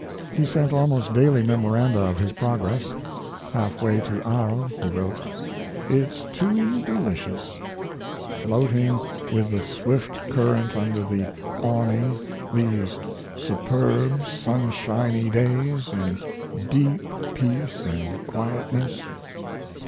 He sent almost daily memoranda of his progress. Half way to Arles he wrote: It's too delicious, floating with the swift current under the awning these superb, sunshiny days in deep peace and quietness.